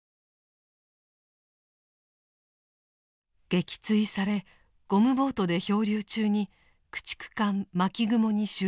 撃墜されゴムボートで漂流中に駆逐艦「巻雲」に収容されました。